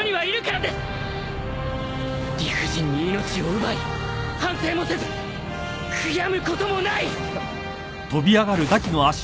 理不尽に命を奪い反省もせず悔やむこともない